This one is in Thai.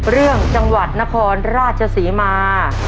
เรื่องจังหวัดนครราชศรีมา